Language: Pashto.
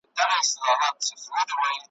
له شهبازونو هیري نغمې دي `